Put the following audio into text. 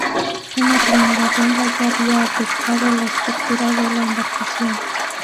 Una primera bomba ya había afectado la estructura de la embarcación.